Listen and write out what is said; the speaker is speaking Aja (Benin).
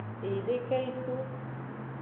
Eyideke yi to.